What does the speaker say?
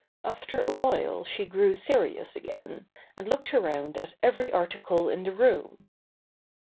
After a while she grew serious again, and looked around at every article in the room.